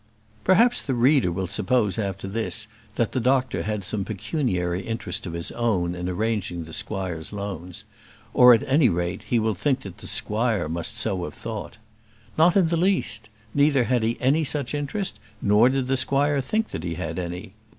Perhaps the reader will suppose after this that the doctor had some pecuniary interest of his own in arranging the squire's loans; or, at any rate, he will think that the squire must have so thought. Not in the least; neither had he any such interest, nor did the squire think that he had any.